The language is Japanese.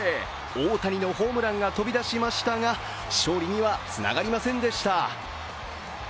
大谷のホームランが飛び出しましたが勝利にはつながりませんでした。